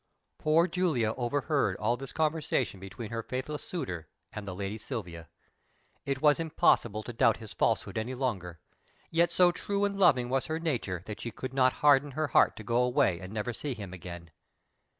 Poor Julia overheard all this conversation between her faithless suitor and the lady Silvia. It was impossible to doubt his falsehood any longer, yet so true and loving was her nature that she could not harden her heart to go away and never see him again.